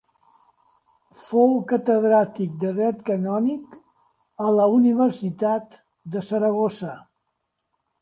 Fou catedràtic de dret canònic a la Universitat de Saragossa.